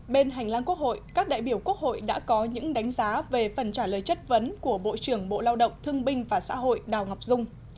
bên hành lang quốc hội các đại biểu quốc hội đã có những đánh giá về phần trả lời chất vấn của bộ trưởng bộ lao động thương binh và xã hội đào ngọc dung